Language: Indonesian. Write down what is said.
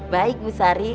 baik bu sari